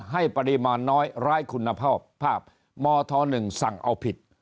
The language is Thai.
ให้ปริมาณน้อยร้ายคุณภาพภาพมธ๑สั่งเอาผิด